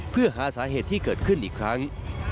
เพื่อหาสาเหตุที่เกิดขึ้นอีกครั้ง